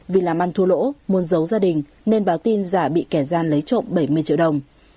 vì làm ăn thua lỗ môn giấu gia đình nên báo tin giả bị kẻ gian lấy trộm bảy mươi triệu đồng